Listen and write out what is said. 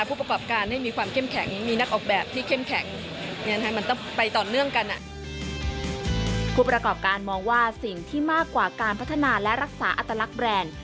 ผู้ประกอบการมองว่าสิ่งที่มากกว่าการพัฒนาและรักษาอัตลักษณ์แบรนด์